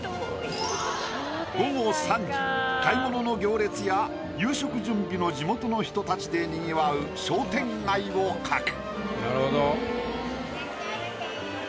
午後３時買い物の行列や夕食準備の地元の人たちでにぎわう商店街を描く。